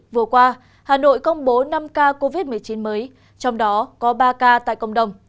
vừa qua hà nội công bố năm ca covid một mươi chín mới trong đó có ba ca tại cộng đồng